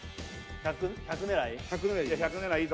１００狙い？